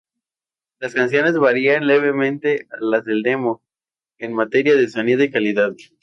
Las canciones varían levemente a las del demo, en materia de sonido y calidad.